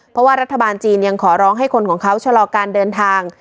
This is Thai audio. เพราะว่ารัฐบาลจีนยังขอร้องให้คนของเขาชะลอการเดินทาง